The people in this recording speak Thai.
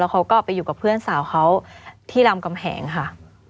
เขาก็ไปอยู่กับเพื่อนสาวเขาที่รามกำแหงค่ะ